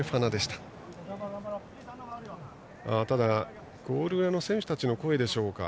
ただゴール裏の選手たちの声でしょうか。